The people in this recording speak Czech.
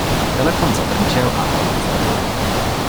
Telefon zadrnčel a on ho zvedl.